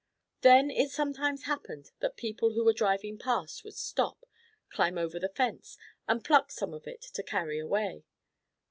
Then it sometimes happened that people who were driving past would stop, climb over the fence, and pluck some of it to carry away.